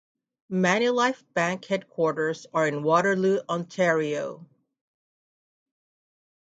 Manulife Bank headquarters are in Waterloo, Ontario.